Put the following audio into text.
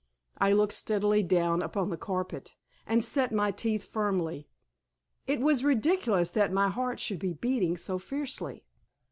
I looked steadily down upon the carpet, and set my teeth firmly. It was ridiculous that my heart should be beating so fiercely.